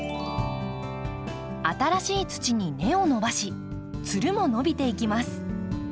新しい土に根を伸ばしつるも伸びていきます。